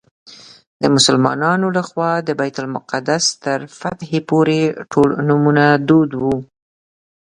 د مسلمانانو له خوا د بیت المقدس تر فتحې پورې ټول نومونه دود وو.